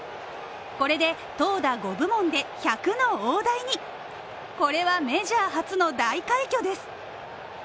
これで投打５部門で１００の大台に、これはメジャー初の大快挙です。